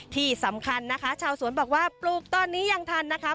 ที่สำคัญนะคะชาวสวนบอกว่าปลูกตอนนี้ยังทันนะคะ